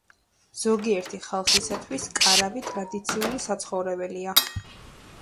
ზოგიერთი ხალხისათვის კარავი ტრადიციული საცხოვრებელია.